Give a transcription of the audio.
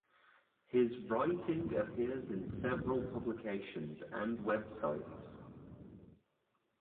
His writing appears in several publications and websites.